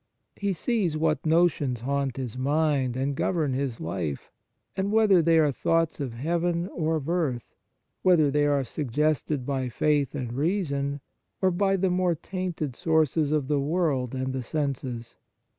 He sees what notions haunt his mind and govern his life, and whether they are thoughts of heaven or of earth, whether they are suggested by faith and reason, or by the more tainted sources of the world and the senses.